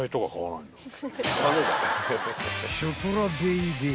［ショコラベイベー